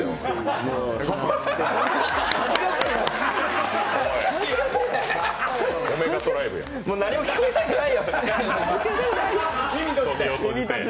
もう何も聞こえないよ。